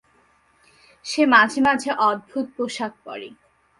সে মাঝে মাঝে অদ্ভুত পোশাক পরে।